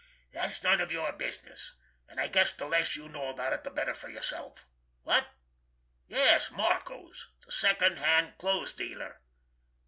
"... That's none of your business, and I guess the less you know about it the better for yourself.... What?... Yes, Marco's—the second hand clothes dealer....